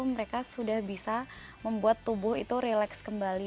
mereka sudah bisa membuat tubuh itu relax kembali